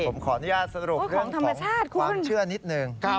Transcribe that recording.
ผมขออนุญาตสรุปเรื่องของความเชื่อนิดหนึ่ง